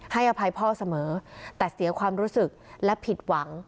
อภัยพ่อเสมอแต่เสียความรู้สึกและผิดหวัง